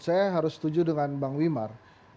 saya harus setuju dengan bang wimar